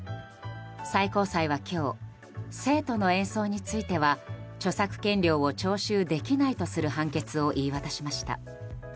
最高裁は今日生徒の演奏については著作権料を徴収できないとする判決を言い渡しました。